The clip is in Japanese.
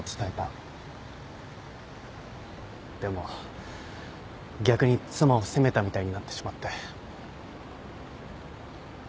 でも逆に妻を責めたみたいになってしまって。